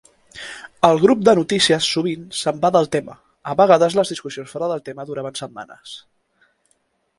El grup de notícies sovint s'en va del tema; a vegades les discussions fora del tema duraven setmanes.